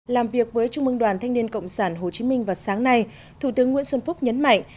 làm việc với trung mương đoàn thanh niên cộng sản hồ chí minh vào sáng nay thủ tướng nguyễn xuân phúc nhấn mạnh